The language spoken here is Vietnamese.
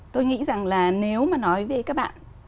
tôi nghĩ rằng là nếu mà nói về các bạn